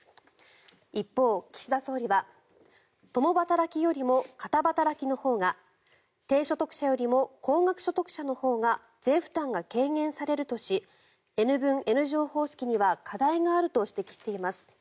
一方、岸田総理は共働きよりも片働きのほうが低所得者よりも高額所得者のほうが税負担が軽減されるとしＮ分Ｎ乗方式には課題があると指摘しています。